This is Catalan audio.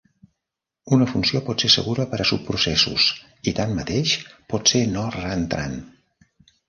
Una funció pot ser segura per a subprocessos i, tanmateix, pot ser no reentrant.